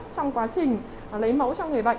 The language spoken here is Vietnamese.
trong quá trình lây mẫu cho người bệnh